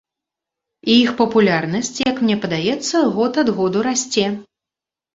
І іх папулярнасць, як мне падаецца, год ад году расце.